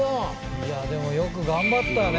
いやでもよく頑張ったね